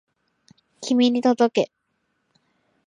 君に届け